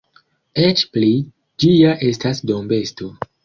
Eĉ pli: ĝi ja estas dombesto.